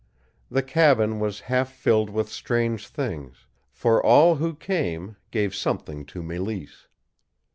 The cabin was half filled with strange things, for all who came gave something to Mélisse.